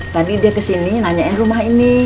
tadi dia kesini nanyain rumah ini